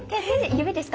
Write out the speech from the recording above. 指ですか？